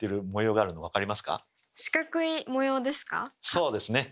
そうですね。